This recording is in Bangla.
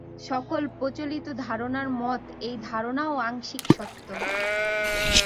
সকল প্রচলিত ধারণার মত এই ধারণাও আংশিক সত্য।